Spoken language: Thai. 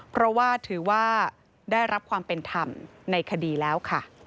เพราะว่าถือว่าได้รับความเป็นธรรมในคดีแล้วค่ะ